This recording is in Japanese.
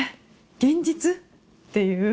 現実？っていう。